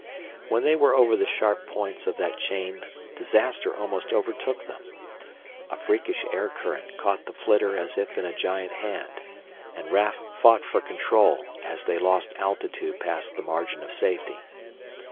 When they were over the sharp points of that chain disaster almost overtook them. A freakish air current caught the flitter as if in a giant hand, and Raf fought for control as they lost altitude past the margin of safety.